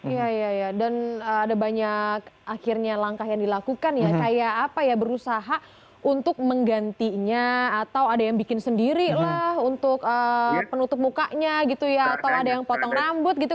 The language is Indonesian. iya iya dan ada banyak akhirnya langkah yang dilakukan ya kayak apa ya berusaha untuk menggantinya atau ada yang bikin sendiri lah untuk penutup mukanya gitu ya atau ada yang potong rambut gitu